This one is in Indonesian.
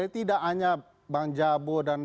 tidak hanya bang jabo dan